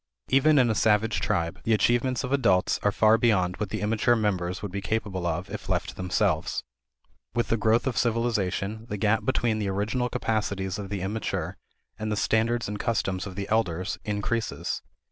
Even in a savage tribe, the achievements of adults are far beyond what the immature members would be capable of if left to themselves. With the growth of civilization, the gap between the original capacities of the immature and the standards and customs of the elders increases.